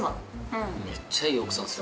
めっちゃいい奥さんですよ。